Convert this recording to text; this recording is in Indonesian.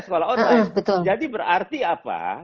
sekolah online betul jadi berarti apa